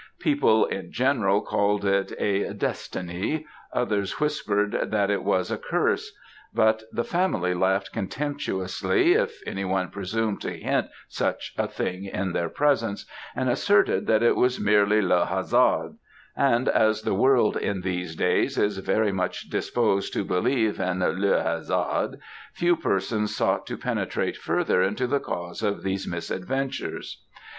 People in general called it a destiny; others whispered that it was a curse; but the family laughed contemptuously if any one presumed to hint such a thing in their presence, and asserted that it was merely le hazard; and as the world in these days is very much disposed to believe in le hazard, few persons sought to penetrate further into the cause of these misadventures.